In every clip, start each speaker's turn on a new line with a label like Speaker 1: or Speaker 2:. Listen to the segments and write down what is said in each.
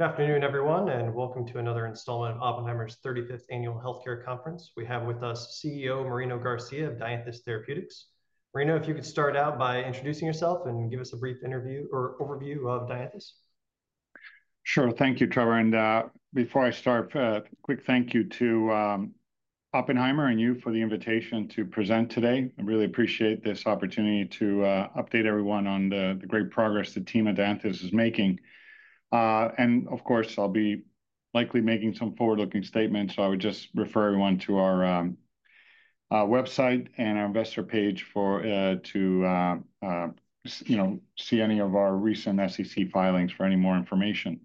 Speaker 1: Good afternoon, everyone, and welcome to another installment of Oppenheimer's 35th Annual Healthcare Conference. We have with us CEO Marino Garcia of Dianthus Therapeutics. Marino, if you could start out by introducing yourself and give us a brief overview of Dianthus?
Speaker 2: Sure, thank you, Trevor. And before I start, a quick thank you to Oppenheimer and you for the invitation to present today. I really appreciate this opportunity to update everyone on the great progress the team at Dianthus is making. And of course, I'll be likely making some forward-looking statements, so I would just refer everyone to our website and our investor page to see any of our recent SEC filings for any more information.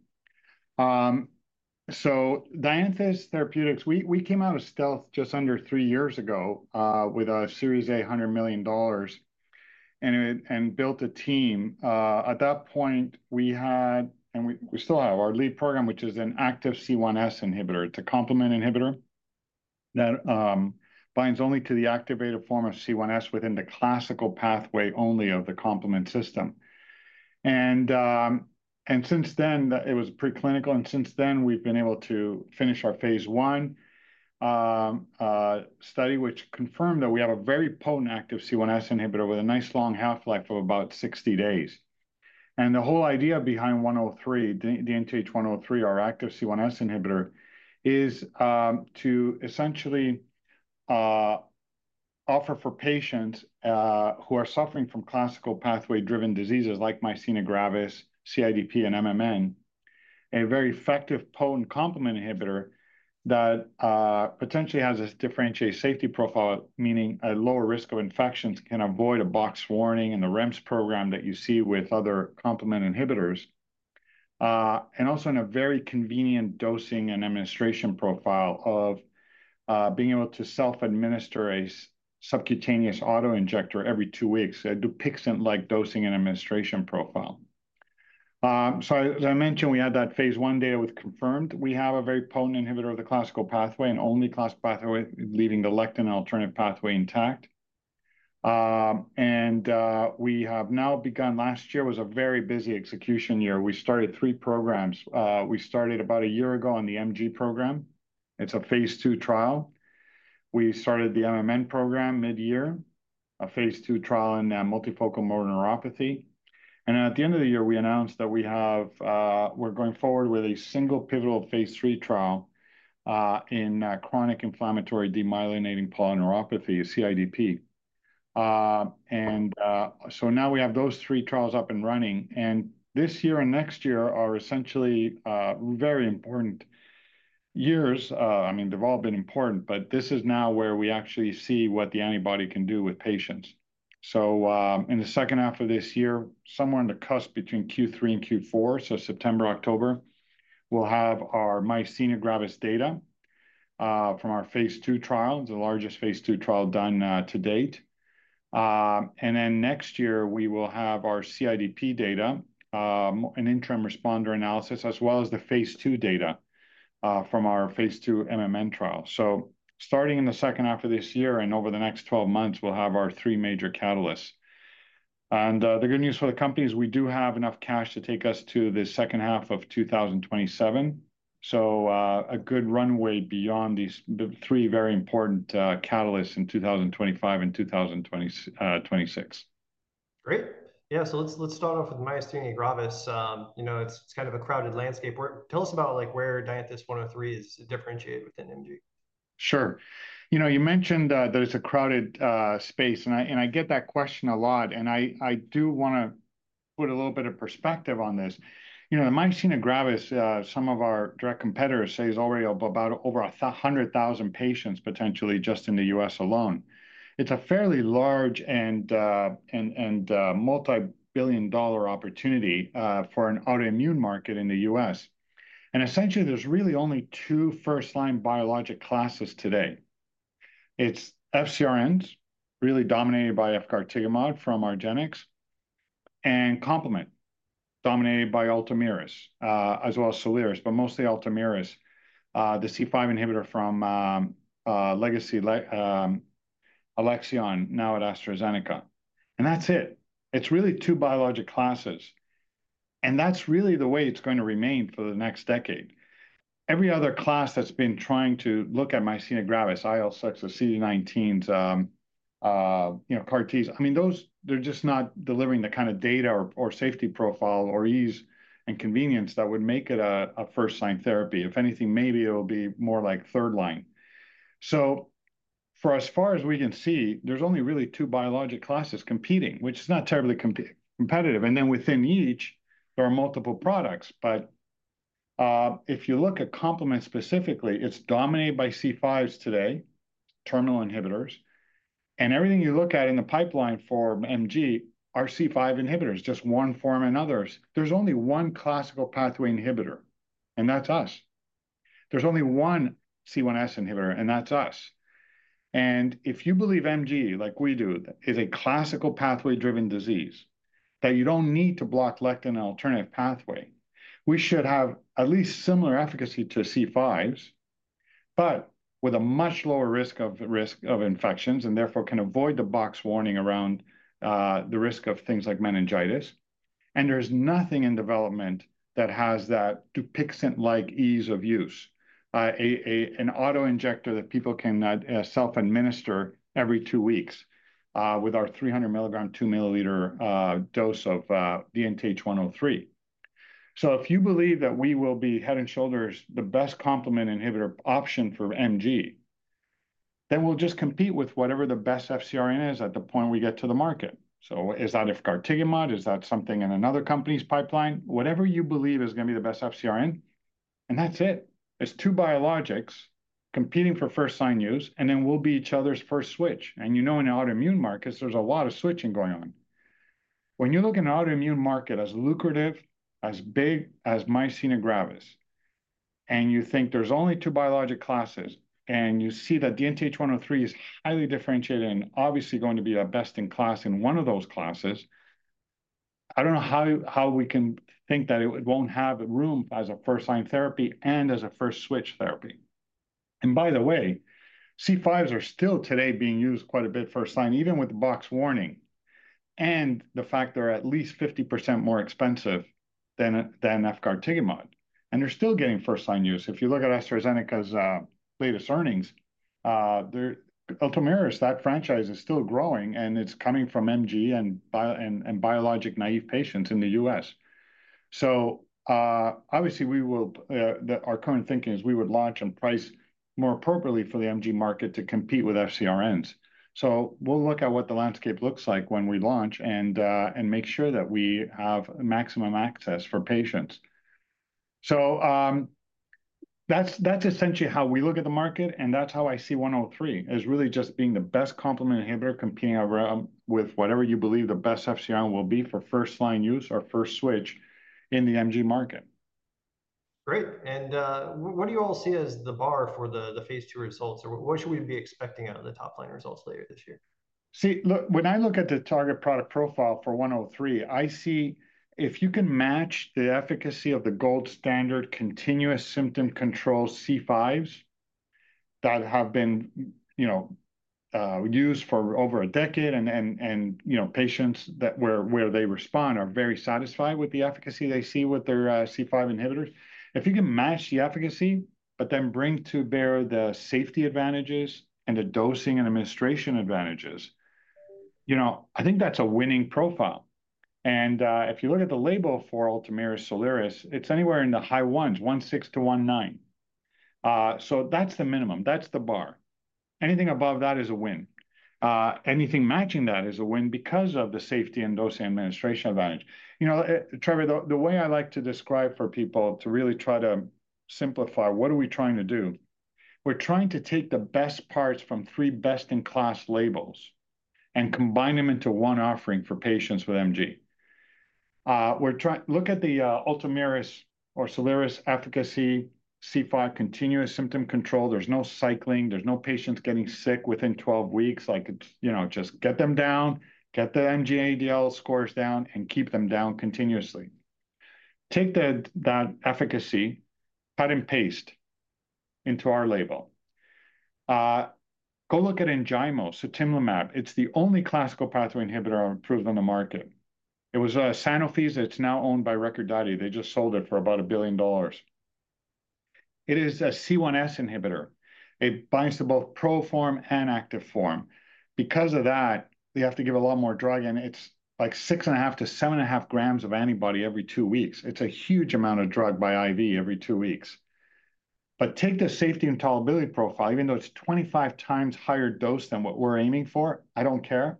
Speaker 2: So Dianthus Therapeutics, we came out of stealth just under three years ago with a Series A $100 million and built a team. At that point, we had, and we still have, our lead program, which is an active C1s inhibitor. It's a complement inhibitor that binds only to the active form of C1s within the classical pathway only of the complement system. Since then, it was preclinical, and since then, we've been able to finish our phase I study, which confirmed that we have a very potent active C1s inhibitor with a nice long half-life of about 60 days. The whole idea behind DNTH103, our active C1s inhibitor, is to essentially offer for patients who are suffering from classical pathway-driven diseases like myasthenia gravis, CIDP, and MMN a very effective, potent complement inhibitor that potentially has a differentiated safety profile, meaning a lower risk of infections, can avoid a box warning in the REMS program that you see with other complement inhibitors, and also in a very convenient dosing and administration profile of being able to self-administer a subcutaneous autoinjector every two weeks, a Dupixent-like dosing and administration profile. As I mentioned, we had that phase I data with confirmed. We have a very potent inhibitor of the classical pathway and only classical pathway, leaving the lectin alternative pathway intact. And we have now begun. Last year was a very busy execution year. We started three programs. We started about a year ago on the MG program. It's a phase II trial. We started the MMN program mid-year, a phase II trial in multifocal motor neuropathy. And at the end of the year, we announced that we're going forward with a single pivotal phase III trial in chronic inflammatory demyelinating polyneuropathy, CIDP. And so now we have those three trials up and running. And this year and next year are essentially very important years. I mean, they've all been important, but this is now where we actually see what the antibody can do with patients. So in the second half of this year, somewhere on the cusp between Q3 and Q4, so September, October, we'll have our myasthenia gravis data from our phase II trial. It's the largest phase II trial done to date. And then next year, we will have our CIDP data, an interim responder analysis, as well as the phase II data from our phase II MMN trial. So starting in the second half of this year and over the next 12 months, we'll have our three major catalysts. And the good news for the company is we do have enough cash to take us to the second half of 2027. So a good runway beyond these three very important catalysts in 2025 and 2026.
Speaker 1: Great. Yeah, so let's start off with myasthenia gravis. It's kind of a crowded landscape. Tell us about where DNTH103 is differentiated within MG.
Speaker 2: Sure. You mentioned that it's a crowded space, and I get that question a lot. And I do want to put a little bit of perspective on this. The myasthenia gravis, some of our direct competitors say, is already about over 100,000 patients potentially just in the U.S. alone. It's a fairly large and multi-billion-dollar opportunity for an autoimmune market in the U.S. And essentially, there's really only two first-line biologic classes today. It's FcRNs, really dominated by efgartigimod from Argenx, and complement, dominated by Ultomiris, as well as Soliris, but mostly Ultomiris, the C5 inhibitor from Legacy Alexion, now at AstraZeneca. And that's it. It's really two biologic classes. And that's really the way it's going to remain for the next decade. Every other class that's been trying to look at myasthenia gravis, IL-6, the CD19s, CAR-Ts, I mean, they're just not delivering the kind of data or safety profile or ease and convenience that would make it a first-line therapy. If anything, maybe it'll be more like third line. So as far as we can see, there's only really two biologic classes competing, which is not terribly competitive. And then within each, there are multiple products. But if you look at complement specifically, it's dominated by C5s today, terminal inhibitors. And everything you look at in the pipeline for MG are C5 inhibitors, just one form and others. There's only one classical pathway inhibitor, and that's us. There's only one C1s inhibitor, and that's us. And if you believe MG, like we do, is a classical pathway-driven disease that you don't need to block lectin alternative pathway, we should have at least similar efficacy to C5s, but with a much lower risk of infections and therefore can avoid the box warning around the risk of things like meningitis. And there's nothing in development that has that Dupixent-like ease of use, an autoinjector that people can self-administer every two weeks with our 300 milligram, 2 milliliter dose of DNTH103. So if you believe that we will be head and shoulders the best complement inhibitor option for MG, then we'll just compete with whatever the best FcRn is at the point we get to the market. So is that Efgartigimod? Is that something in another company's pipeline? Whatever you believe is going to be the best FcRn, and that's it. It's two biologics competing for first-line use, and then we'll be each other's first switch. And you know in autoimmune markets, there's a lot of switching going on. When you look at an autoimmune market as lucrative, as big as myasthenia gravis, and you think there's only two biologic classes, and you see that DNTH103 is highly differentiated and obviously going to be our best in class in one of those classes, I don't know how we can think that it won't have room as a first-line therapy and as a first switch therapy. And by the way, C5s are still today being used quite a bit first-line, even with the box warning and the fact they're at least 50% more expensive than Effgar Tigamod. And they're still getting first-line use. If you look at AstraZeneca's latest earnings, Ultomiris, that franchise is still growing, and it's coming from MG and biologic naive patients in the U.S. So obviously, our current thinking is we would launch and price more appropriately for the MG market to compete with FcRNs. So we'll look at what the landscape looks like when we launch and make sure that we have maximum access for patients. So that's essentially how we look at the market, and that's how I see 103 as really just being the best complement inhibitor competing with whatever you believe the best FcRN will be for first-line use or first switch in the MG market.
Speaker 1: Great. And what do you all see as the bar for the phase III results? Or what should we be expecting out of the top-line results later this year?
Speaker 2: See, look, when I look at the target product profile for 103, I see if you can match the efficacy of the gold standard continuous symptom control C5s that have been used for over a decade and patients where they respond are very satisfied with the efficacy they see with their C5 inhibitors. If you can match the efficacy, but then bring to bear the safety advantages and the dosing and administration advantages, I think that's a winning profile. And if you look at the label for Ultomiris, Soliris, it's anywhere in the high ones, 16-19. So that's the minimum. That's the bar. Anything above that is a win. Anything matching that is a win because of the safety and dosing administration advantage. Trevor, the way I like to describe for people to really try to simplify, what are we trying to do? We're trying to take the best parts from three best-in-class labels and combine them into one offering for patients with MG. Look at the Ultomiris or Soliris efficacy, C5 continuous symptom control. There's no cycling. There's no patients getting sick within 12 weeks. Just get them down, get the MG ADL scores down, and keep them down continuously. Take that efficacy, cut and paste into our label. Go look at Enjaymo, Sutimlimab. It's the only classical pathway inhibitor approved on the market. It was a Sanofi that's now owned by Recordati. They just sold it for about $1 billion. It is a C1s inhibitor. It binds to both proform and active form. Because of that, they have to give a lot more drug, and it's like six and a half to seven and a half grams of antibody every two weeks. It's a huge amount of drug by IV every two weeks. But take the safety and tolerability profile, even though it's 25 times higher dose than what we're aiming for, I don't care.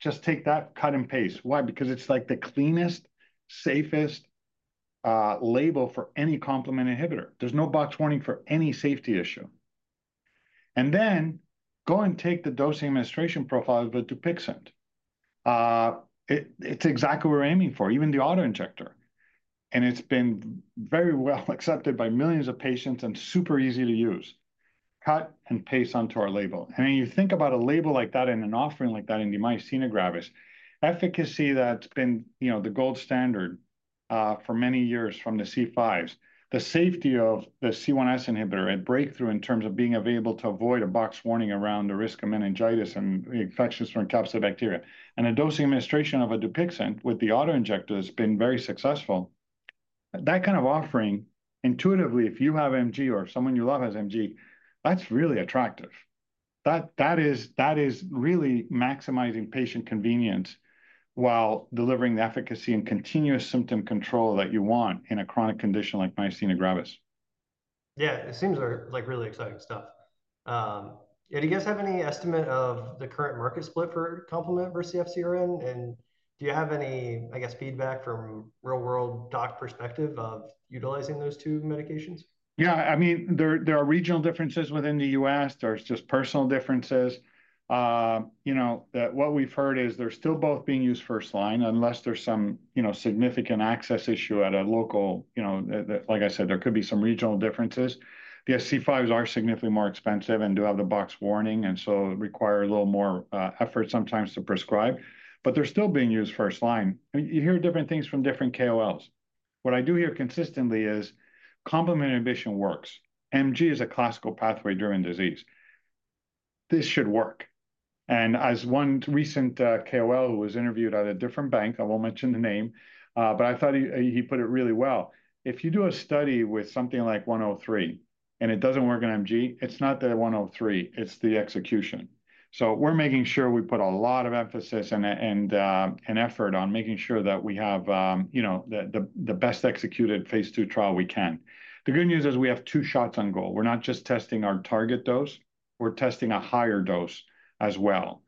Speaker 2: Just take that, cut and paste. Why? Because it's like the cleanest, safest label for any complement inhibitor. There's no box warning for any safety issue. And then go and take the dosing administration profile with Dupixent. It's exactly what we're aiming for, even the autoinjector. And it's been very well accepted by millions of patients and super easy to use. Cut and paste onto our label. And then you think about a label like that and an offering like that in the myasthenia gravis, efficacy that's been the gold standard for many years from the C5s, the safety of the C1s inhibitor and breakthrough in terms of being able to avoid a box warning around the risk of meningitis and infections from encapsulated bacteria. And the dosing administration of a Dupixent with the autoinjector has been very successful. That kind of offering, intuitively, if you have MG or someone you love has MG, that's really attractive. That is really maximizing patient convenience while delivering the efficacy and continuous symptom control that you want in a chronic condition like myasthenia gravis.
Speaker 1: Yeah, it seems like really exciting stuff. Do you guys have any estimate of the current market split for complement versus FcRn? And do you have any, I guess, feedback from real-world doc perspective of utilizing those two medications?
Speaker 2: Yeah, I mean, there are regional differences within the U.S. There's just personal differences. What we've heard is they're still both being used first-line unless there's some significant access issue at a local. Like I said, there could be some regional differences. The C5s are significantly more expensive and do have the box warning, and so require a little more effort sometimes to prescribe. But they're still being used first-line. You hear different things from different KOLs. What I do hear consistently is complement inhibition works. MG is a classical pathway-driven disease. This should work. And as one recent KOL who was interviewed at a different bank, I won't mention the name, but I thought he put it really well. If you do a study with something like 103 and it doesn't work in MG, it's not the 103. It's the execution. So we're making sure we put a lot of emphasis and effort on making sure that we have the best executed phase II trial we can. The good news is we have two shots on goal. We're not just testing our target dose. We're testing a higher dose as well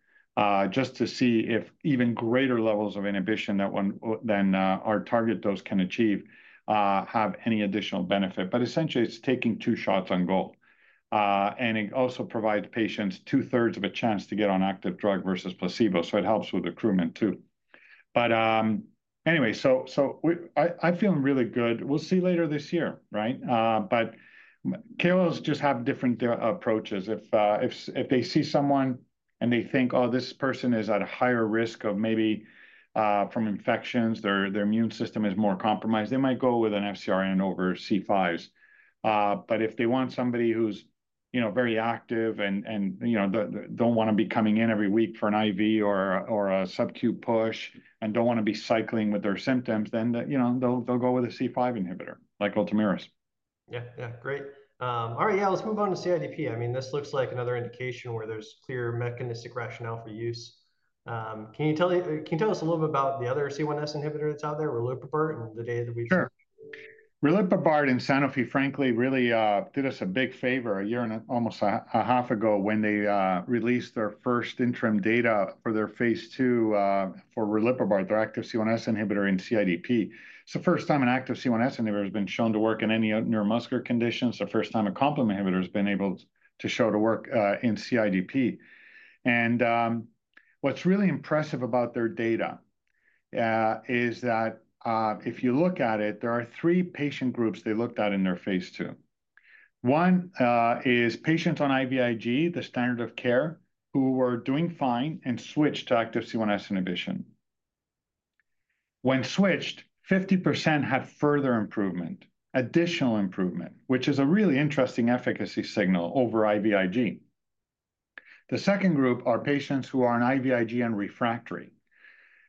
Speaker 2: just to see if even greater levels of inhibition than our target dose can achieve have any additional benefit. But essentially, it's taking two shots on goal. And it also provides patients two-thirds of a chance to get on active drug versus placebo. So it helps with accrual too. But anyway, so I'm feeling really good. We'll see later this year, right? But KOLs just have different approaches. If they see someone and they think, "Oh, this person is at a higher risk of maybe from infections, their immune system is more compromised," they might go with an FcRn over C5s. But if they want somebody who's very active and don't want to be coming in every week for an IV or a subcu push and don't want to be cycling with their symptoms, then they'll go with a C5 inhibitor like Ultomiris.
Speaker 1: Yeah, yeah, great. All right, yeah, let's move on to CIDP. I mean, this looks like another indication where there's clear mechanistic rationale for use. Can you tell us a little bit about the other C1s inhibitor that's out there, Rillipabart, and the data that we've heard?
Speaker 2: Sure. Riliprubart and Sanofi, frankly, really did us a big favor a year and almost a half ago when they released their first interim data for their phase II for riliprubart, their active C1s inhibitor in CIDP. It's the first time an active C1s inhibitor has been shown to work in any neuromuscular conditions. The first time a complement inhibitor has been able to show to work in CIDP. And what's really impressive about their data is that if you look at it, there are three patient groups they looked at in their phase II. One is patients on IVIG, the standard of care, who were doing fine and switched to active C1s inhibition. When switched, 50% had further improvement, additional improvement, which is a really interesting efficacy signal over IVIG. The second group are patients who are on IVIG and refractory.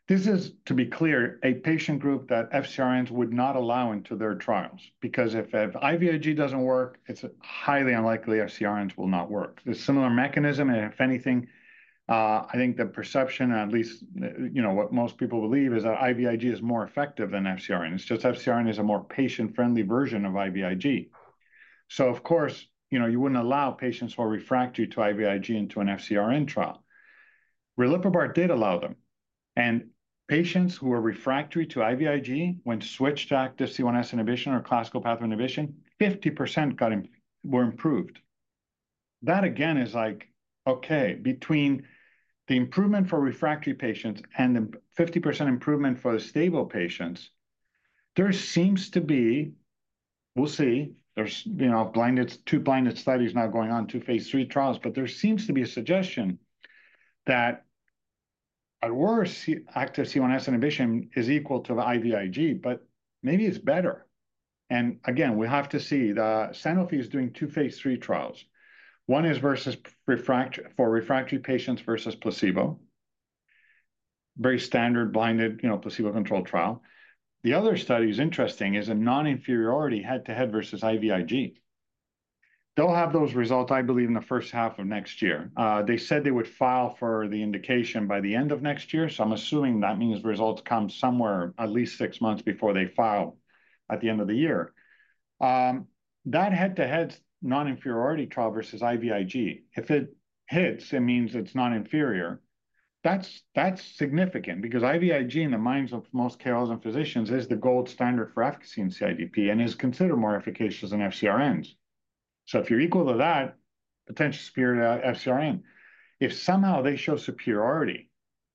Speaker 2: This is, to be clear, a patient group that FcRns would not allow into their trials because if IVIG doesn't work, it's highly unlikely FcRns will not work. There's a similar mechanism, and if anything, I think the perception, at least what most people believe, is that IVIG is more effective than FcRn. It's just FcRn is a more patient-friendly version of IVIG, so of course, you wouldn't allow patients who are refractory to IVIG into a FcRn trial. Riliprubart did allow them, and patients who are refractory to IVIG when switched to active C1s inhibition or classical pathway inhibition, 50% were improved. That, again, is like, okay, between the improvement for refractory patients and the 50% improvement for the stable patients, there seems to be, we'll see, there's two blinded studies now going on, two phase III trials, but there seems to be a suggestion that at worst, active C1s inhibition is equal to the IVIG, but maybe it's better, and again, we have to see, the Sanofi is doing two phase III trials. One is for refractory patients versus placebo, very standard blinded placebo-controlled trial. The other study is interesting, a non-inferiority head-to-head versus IVIG. They'll have those results, I believe, in the first half of next year. They said they would file for the indication by the end of next year, so I'm assuming that means results come somewhere at least six months before they file at the end of the year. That head-to-head non-inferiority trial versus IVIG, if it hits, it means it's non-inferior. That's significant because IVIG, in the minds of most KOLs and physicians, is the gold standard for efficacy in CIDP and is considered more efficacious than FcRns. So if you're equal to that, potentially superior to FcRn, if somehow they show superiority,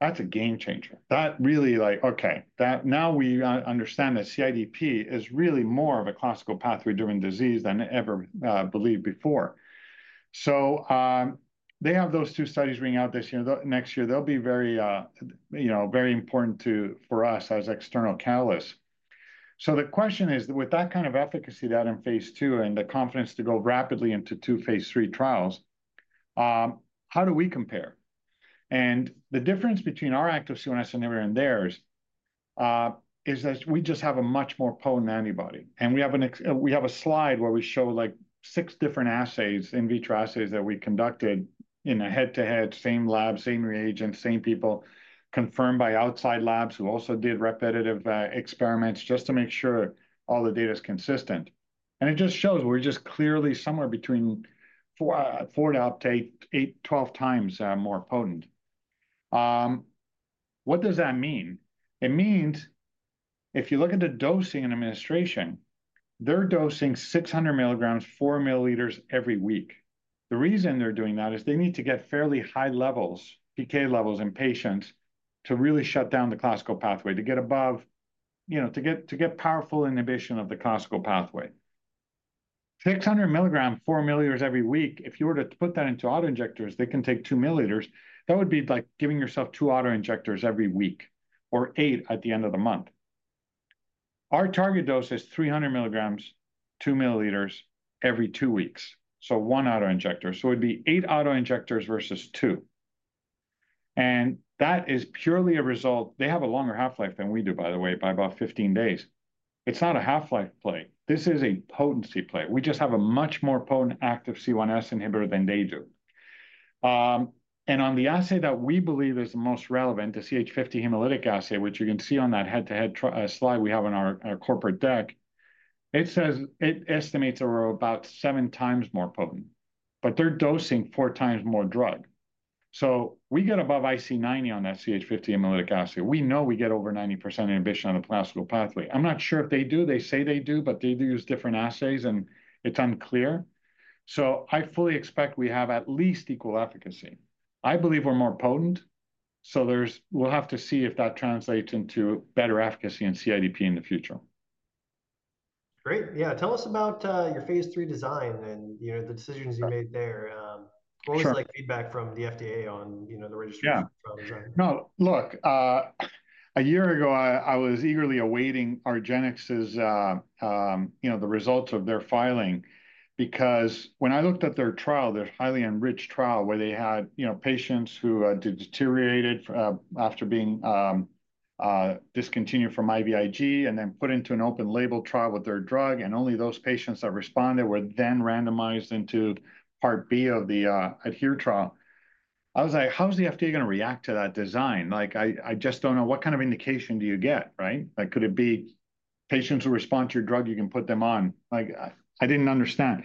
Speaker 2: that's a game changer. That really like, okay, now we understand that CIDP is really more of a classical pathway-driven disease than ever believed before. So they have those two studies read out this year. Next year, they'll be very important for us as external catalysts. So the question is, with that kind of efficacy data in phase II and the confidence to go rapidly into two phase III trials, how do we compare? And the difference between our active C1s inhibitor and theirs is that we just have a much more potent antibody. We have a slide where we show like six different assays, in vitro assays that we conducted in a head-to-head, same lab, same reagent, same people confirmed by outside labs who also did repetitive experiments just to make sure all the data is consistent. It just shows we're just clearly somewhere between four to up to eight, 12 times more potent. What does that mean? It means if you look at the dosing and administration, they're dosing 600 milligrams, four milliliters every week. The reason they're doing that is they need to get fairly high levels, PK levels in patients to really shut down the classical pathway, to get above, to get powerful inhibition of the classical pathway. 600 milligrams, four milliliters every week, if you were to put that into autoinjectors, they can take two milliliters. That would be like giving yourself two autoinjectors every week or eight at the end of the month. Our target dose is 300 milligrams, two milliliters every two weeks, so one autoinjector, so it would be eight autoinjectors versus two, and that is purely a result. They have a longer half-life than we do, by the way, by about 15 days. It's not a half-life play. This is a potency play. We just have a much more potent active C1s inhibitor than they do, and on the assay that we believe is the most relevant, the CH50 hemolytic assay, which you can see on that head-to-head slide we have on our corporate deck, it says it estimates over about seven times more potent, but they're dosing four times more drug, so we get above IC90 on that CH50 hemolytic assay. We know we get over 90% inhibition on the classical pathway. I'm not sure if they do. They say they do, but they do use different assays, and it's unclear. So I fully expect we have at least equal efficacy. I believe we're more potent. So we'll have to see if that translates into better efficacy in CIDP in the future.
Speaker 1: Great. Yeah. Tell us about your phase III design and the decisions you made there. What was feedback from the FDA on the registration?
Speaker 2: Yeah. No, look, a year ago, I was eagerly awaiting Argenx's results of their filing because when I looked at their trial, their highly enriched trial where they had patients who had deteriorated after being discontinued from IVIG and then put into an open label trial with their drug, and only those patients that responded were then randomized into part B of the ADHERE trial. I was like, how's the FDA going to react to that design? I just don't know what kind of indication do you get, right? Could it be patients who respond to your drug, you can put them on? I didn't understand.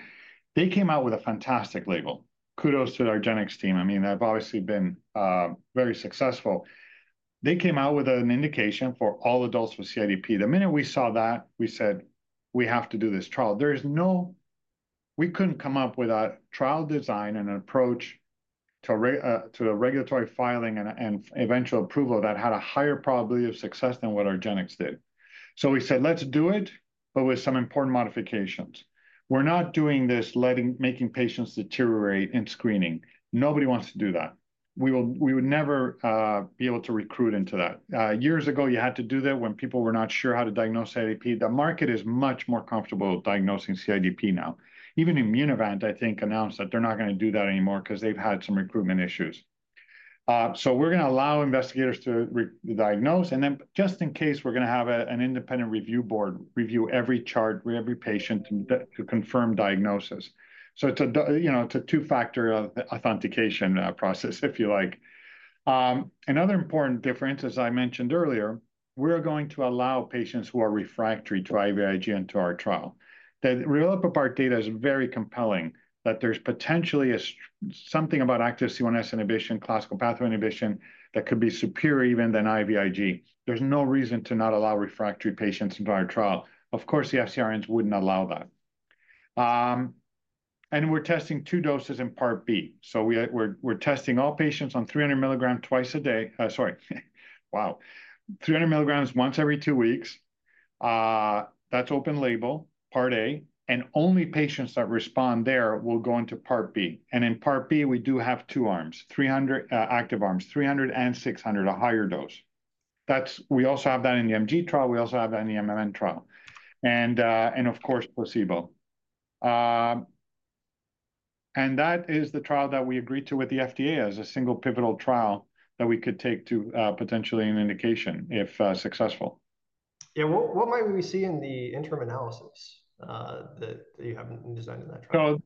Speaker 2: They came out with a fantastic label. Kudos to the Argenx team. I mean, they've obviously been very successful. They came out with an indication for all adults with CIDP. The minute we saw that, we said, "We have to do this trial." We couldn't come up with a trial design and an approach to the regulatory filing and eventual approval that had a higher probability of success than what Argenx did. So we said, "Let's do it, but with some important modifications." We're not doing this making patients deteriorate in screening. Nobody wants to do that. We would never be able to recruit into that. Years ago, you had to do that when people were not sure how to diagnose CIDP. The market is much more comfortable diagnosing CIDP now. Even Immunovant, I think, announced that they're not going to do that anymore because they've had some recruitment issues. So we're going to allow investigators to diagnose, and then just in case, we're going to have an independent review board review every chart with every patient to confirm diagnosis. So it's a two-factor authentication process, if you like. Another important difference, as I mentioned earlier, we're going to allow patients who are refractory to IVIG into our trial. The Rillipabart data is very compelling that there's potentially something about active C1s inhibition, classical pathway inhibition that could be superior even than IVIG. There's no reason to not allow refractory patients into our trial. Of course, the FcRNs wouldn't allow that. And we're testing two doses in part B. So we're testing all patients on 300 milligrams twice a day. Sorry. Wow. 300 milligrams once every two weeks. That's open label, part A. And only patients that respond there will go into part B. And in part B, we do have two arms, active arms, 300 and 600, a higher dose. We also have that in the MG trial. We also have that in the MMN trial. And of course, placebo. And that is the trial that we agreed to with the FDA as a single pivotal trial that we could take to potentially an indication if successful.
Speaker 1: Yeah. What might we see in the interim analysis that you haven't designed in that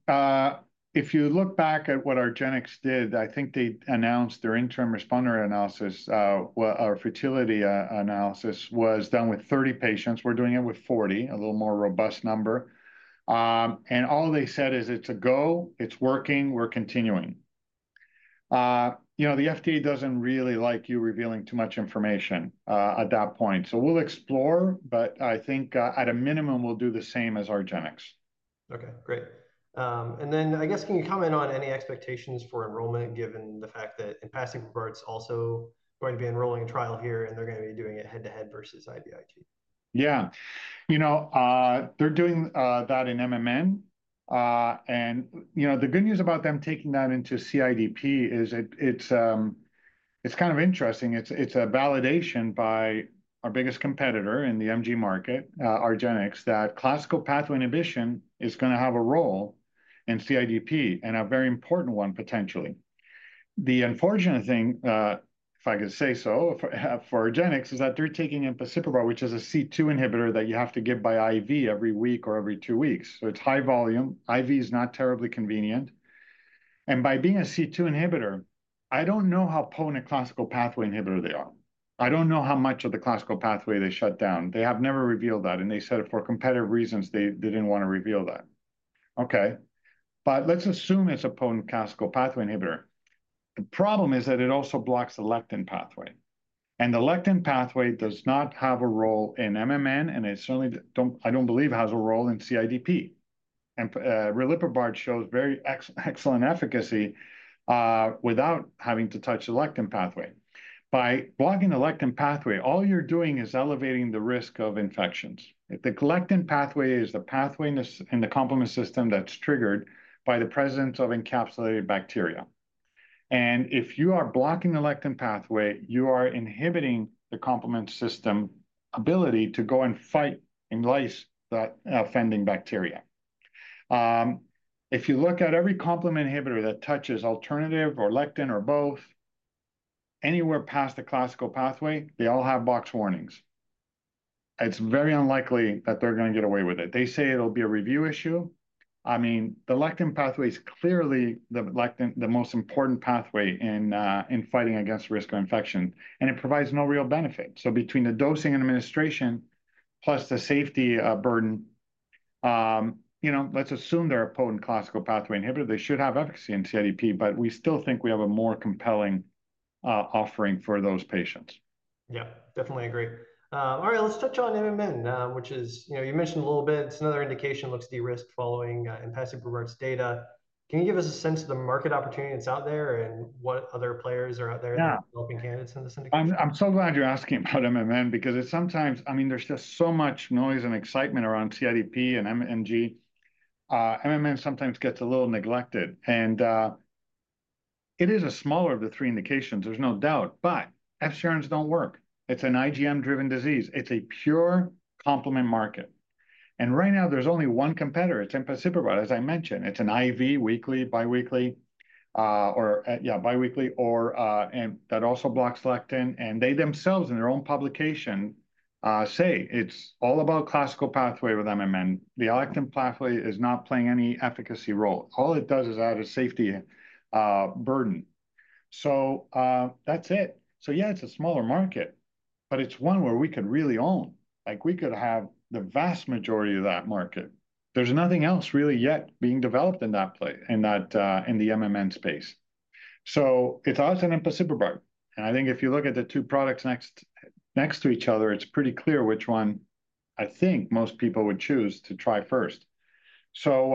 Speaker 1: trial?
Speaker 2: If you look back at what Argenx did, I think they announced their interim responder analysis or futility analysis was done with 30 patients. We're doing it with 40, a little more robust number. And all they said is, "It's a go. It's working. We're continuing." The FDA doesn't really like you revealing too much information at that point. So we'll explore, but I think at a minimum, we'll do the same as Argenx.
Speaker 1: Okay. Great. And then I guess, can you comment on any expectations for enrollment given the fact that Argenx also going to be enrolling a trial here and they're going to be doing it head-to-head versus IVIG?
Speaker 2: Yeah. You know they're doing that in MMN. And the good news about them taking that into CIDP is it's kind of interesting. It's a validation by our biggest competitor in the MG market, Argenx, that classical pathway inhibition is going to have a role in CIDP and a very important one potentially. The unfortunate thing, if I can say so, for Argenx is that they're taking empasiprubart, which is a C2 inhibitor that you have to give by IV every week or every two weeks. So it's high volume. IV is not terribly convenient. And by being a C2 inhibitor, I don't know how potent a classical pathway inhibitor they are. I don't know how much of the classical pathway they shut down. They have never revealed that. And they said for competitive reasons, they didn't want to reveal that. Okay. Let's assume it's a potent classical pathway inhibitor. The problem is that it also blocks the lectin pathway. The lectin pathway does not have a role in MMN, and I don't believe it has a role in CIDP. Riliprubart shows very excellent efficacy without having to touch the lectin pathway. By blocking the lectin pathway, all you're doing is elevating the risk of infections. The lectin pathway is the pathway in the complement system that's triggered by the presence of encapsulated bacteria. If you are blocking the lectin pathway, you are inhibiting the complement system's ability to go and fight and lyse that offending bacteria. If you look at every complement inhibitor that touches alternative or lectin or both, anywhere past the classical pathway, they all have box warnings. It's very unlikely that they're going to get away with it. They say it'll be a review issue. I mean, the lectin pathway is clearly the most important pathway in fighting against risk of infection, and it provides no real benefit. So between the dosing and administration plus the safety burden, let's assume they're a potent classical pathway inhibitor. They should have efficacy in CIDP, but we still think we have a more compelling offering for those patients.
Speaker 1: Yeah. Definitely agree. All right. Let's touch on MMN, which you mentioned a little bit. It's another indication that looks derisked following in passing regards data. Can you give us a sense of the market opportunity that's out there and what other players are out there developing candidates in this indication?
Speaker 2: I'm so glad you're asking about MMN because sometimes, I mean, there's just so much noise and excitement around CIDP and MG. MMN sometimes gets a little neglected, and it is a smaller of the three indications, there's no doubt, but FcRns don't work. It's an IgM-driven disease. It's a pure complement market, and right now, there's only one competitor. It's empecitabar, as I mentioned. It's an IV, weekly, biweekly, or yeah, biweekly, and that also blocks lectin, and they themselves, in their own publication, say it's all about classical pathway with MMN. The lectin pathway is not playing any efficacy role. All it does is add a safety burden, so that's it. So yeah, it's a smaller market, but it's one where we could really own. We could have the vast majority of that market. There's nothing else really yet being developed in that play in the MMN space. So it's always an empasiprubart. And I think if you look at the two products next to each other, it's pretty clear which one I think most people would choose to try first. So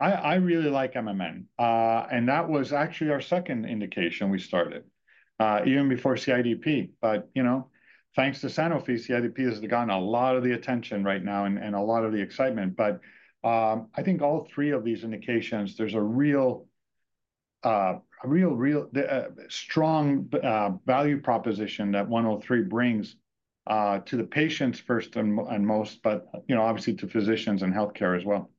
Speaker 2: I really like MMN. And that was actually our second indication we started, even before CIDP. But thanks to Sanofi, CIDP has gotten a lot of the attention right now and a lot of the excitement. But I think all three of these indications, there's a real strong value proposition that 103 brings to the patients first and most, but obviously to physicians and healthcare as well.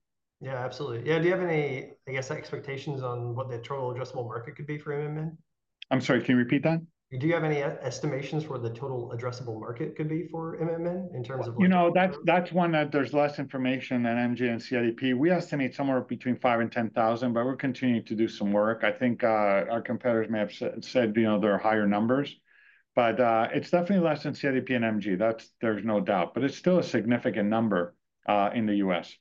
Speaker 1: Yeah, absolutely. Yeah. Do you have any, I guess, expectations on what the total addressable market could be for MMN?
Speaker 2: I'm sorry, can you repeat that?
Speaker 1: Do you have any estimations for the total addressable market could be for MMN in terms of?
Speaker 2: That's one that there's less information than MG and CIDP. We estimate somewhere between 5,000 and 10,000, but we're continuing to do some work. I think our competitors may have said they're higher numbers, but it's definitely less than CIDP and MG. There's no doubt, but it's still a significant number in the U.S.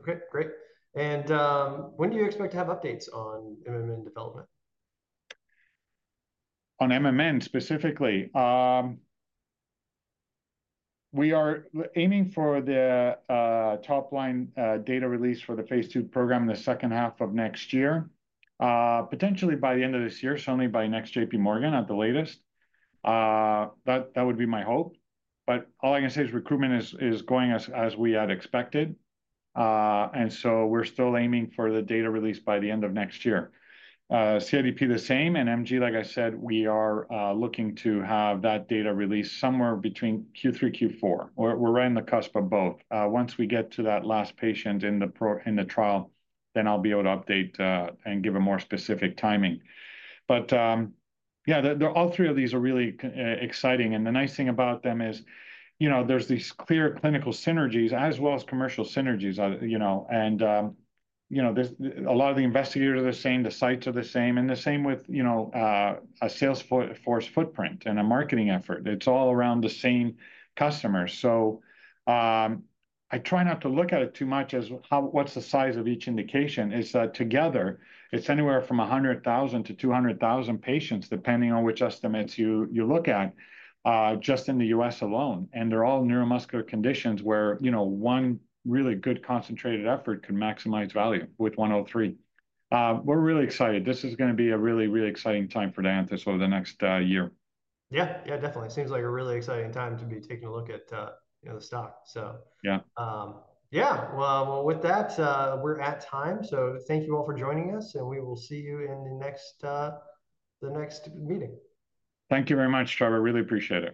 Speaker 1: Okay. Great. And when do you expect to have updates on MMN development?
Speaker 2: On MMN specifically? We are aiming for the top-line data release for the phase II program in the second half of next year, potentially by the end of this year, certainly by next JPMorgan at the latest. That would be my hope. But all I can say is recruitment is going as we had expected. And so we're still aiming for the data release by the end of next year. CIDP, the same. And MG, like I said, we are looking to have that data released somewhere between Q3, Q4. We're right on the cusp of both. Once we get to that last patient in the trial, then I'll be able to update and give a more specific timing. But yeah, all three of these are really exciting. And the nice thing about them is there's these clear clinical synergies as well as commercial synergies. A lot of the investigators are the same. The sites are the same. And the same with a sales force footprint and a marketing effort. It's all around the same customers. So I try not to look at it too much as what's the size of each indication is that together, it's anywhere from 100,000-200,000 patients, depending on which estimates you look at just in the U.S. alone. And they're all neuromuscular conditions where one really good concentrated effort can maximize value with 103. We're really excited. This is going to be a really, really exciting time for Dianthus over the next year.
Speaker 1: Yeah. Yeah, definitely. It seems like a really exciting time to be taking a look at the stock. So yeah. Well, with that, we're at time. So thank you all for joining us, and we will see you in the next meeting.
Speaker 2: Thank you very much, Trevor. Really appreciate it.